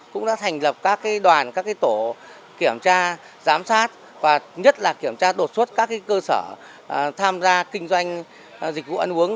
cũng đã thành lập các đoàn các tổ kiểm tra giám sát và nhất là kiểm tra đột xuất các cơ sở tham gia kinh doanh dịch vụ ăn uống